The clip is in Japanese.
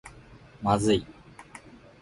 まずい